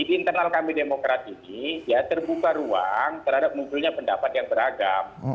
di internal kami demokrat ini ya terbuka ruang terhadap munculnya pendapat yang beragam